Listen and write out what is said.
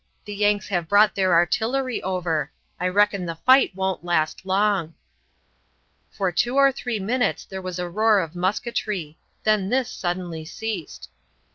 The Yanks have brought their artillery over I reckon the fight won't last long." For two or three minutes there was a roar of musketry; then this suddenly ceased.